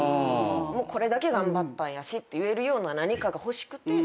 これだけ頑張ったんやしって言えるような何かが欲しくて作った。